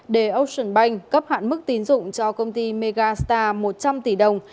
để ocean bank cấp hạn mức tín dụng cho công ty megastar một trăm linh tỷ đồng